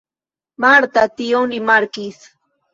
Marta tion rimarkis.